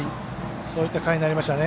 そういった回になりましたね。